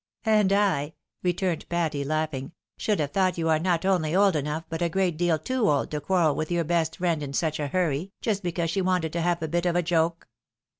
" And I," returned Patty, laughing, " should have thought you not only old enough, but a great deal too old to quarrel with your best friend in such a hurry, just because she wanted to have a bit of a joke."